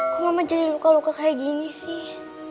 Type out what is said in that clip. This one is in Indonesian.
kok mama jadi luka luka kayak gini sih